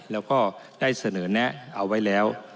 แล้วก็ได้เสนอแนะเอาไว้แล้ว